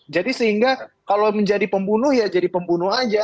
jadi sehingga kalau menjadi pembunuh ya jadi pembunuh saja